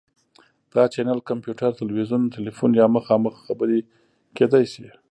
دا چینل کمپیوټر، تلویزیون، تیلیفون یا مخامخ خبرې کیدی شي.